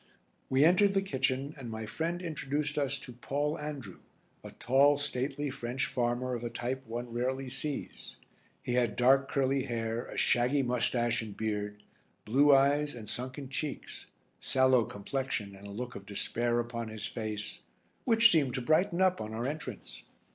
We entered the kitchen and my friend introduced us to Paul Andrew, a tall stately French farmer of a type one rarely sees. He had dark curly hair, a shaggy moustache and beard, blue eyes and sunken cheeks, sallow complexion and a look of despair upon his face, which seemed to brighten up on our entrance.